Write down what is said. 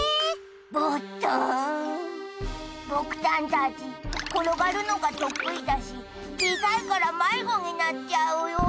ボッターン僕たんたち転がるのが得意だし小さいから迷子になっちゃうよ。